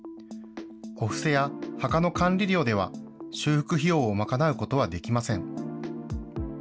お布施や墓の管理料では、修復費用を賄うことはできません。